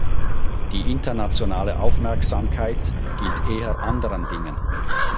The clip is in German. Die internationale Aufmerksamkeit gilt eher anderen Dingen.